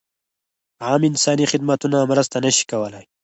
عام انساني خدمتونه مرسته نه شي کولای.